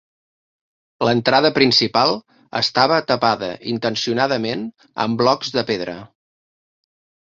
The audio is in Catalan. L'entrada principal estava tapada intencionadament amb blocs de pedra.